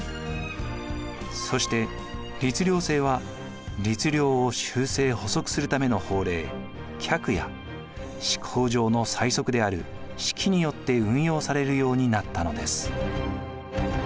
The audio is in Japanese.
そして律令制は律令を修正・補足するための法令「格」や施行上の細則である「式」によって運用されるようになったのです。